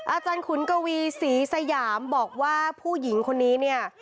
อาจารย์ขุนกะวีสีสยามบอกว่าผู้หญิงคนนี้เนี่ย